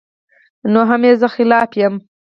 نو هم ئې زۀ خلاف يم